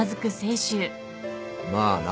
まあな。